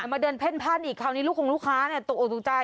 มาเดินเพ่นผ้านอีกคราวนี้ลูกคงลูกค้าตกออกตกใจ